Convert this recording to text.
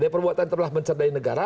perbuatan telah mencerdai negara